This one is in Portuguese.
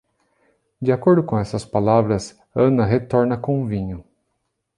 De acordo com essas palavras, Ana retorna com vinho.